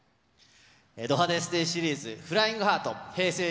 ド派手ステージシリーズ、フライングハート。